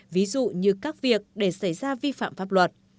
ví dụ như các việc để xảy ra vi phạm pháp luật